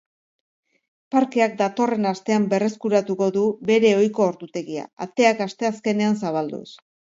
Parkeak datorren astean berreskuratuko du bere ohiko ordutegia, ateak asteazkenean zabalduz.